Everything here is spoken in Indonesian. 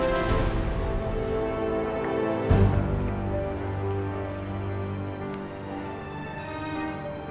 aku bisa ke rumah sakit